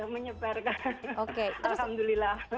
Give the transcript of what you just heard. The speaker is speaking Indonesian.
menyebar menyebar alhamdulillah